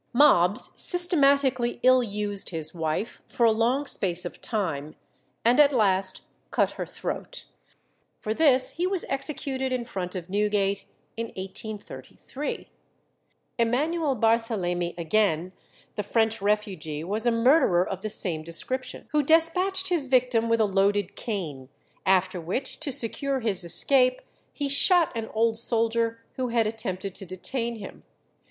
Mobbs systematically ill used his wife for a long space of time, and at last cut her throat. For this he was executed in front of Newgate in 1833. Emmanuel Barthelemy again, the French refugee, was a murderer of the same description, who despatched his victim with a loaded cane, after which, to secure his escape, he shot an old soldier who had attempted to detain him.